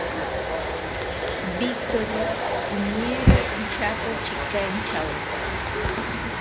Victori iñeero inchato chekinkawo